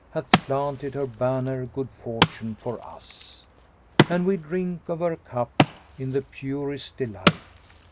Hath planted her banner Good Fortune for us, * And we drink of her cup in the purest delight.